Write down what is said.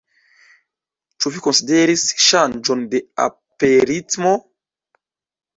Ĉu vi konsideris ŝanĝon de aperritmo?